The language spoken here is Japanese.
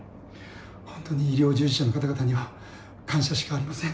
本当に医療従事者の方々には感謝しかありません。